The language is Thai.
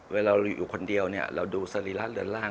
เวลาเราอยู่คนเดียวเราดูศรีรัตน์เรือนร่าง